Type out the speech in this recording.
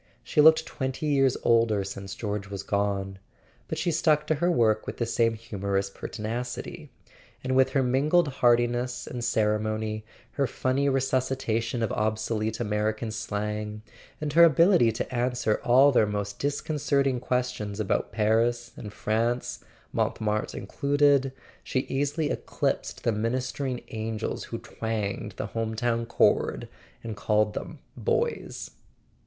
She looked twenty years older since George was gone, but she stuck to her work with the same humorous per¬ tinacity; and with her mingled heartiness and cere¬ mony, her funny resuscitation of obsolete American slang, and her ability to answer all their most discon¬ certing questions about Paris and France (Montmartre included), she easily eclipsed the ministering angels who twanged the home town chord and called them "boys."